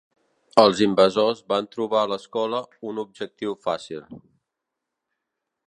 Els invasors van trobar a l'escola un objectiu fàcil.